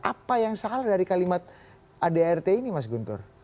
apa yang salah dari kalimat adrt ini mas guntur